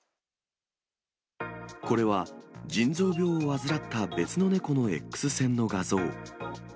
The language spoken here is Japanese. これは腎臓病を患った別の猫のエックス線の画像。